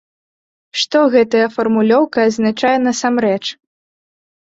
Што гэтая фармулёўка азначае насамрэч?